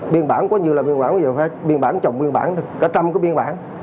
biên bản quá nhiều là biên bản quá nhiều biên bản chồng biên bản cả trăm cái biên bản